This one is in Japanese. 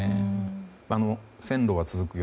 「線路は続くよ